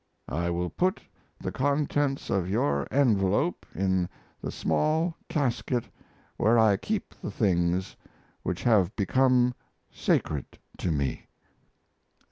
I will put the contents of your envelope in the small casket where I keep the things which have become sacred to me.